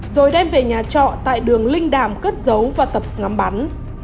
rồi đem về nhà trọ tại đường linh đàm cất giấu và tập ngắm bắn